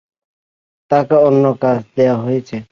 তাকে অন্য কাজ দেয়া হয়েছে।